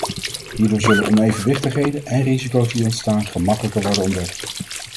Hierdoor zullen onevenwichtigheden en risico's die ontstaan gemakkelijker worden ontdekt.